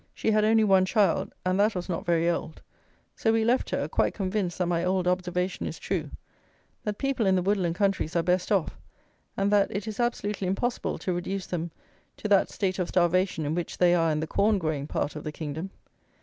She had only one child, and that was not very old, so we left her, quite convinced that my old observation is true, that people in the woodland countries are best off, and that it is absolutely impossible to reduce them to that state of starvation in which they are in the corn growing part of the kingdom.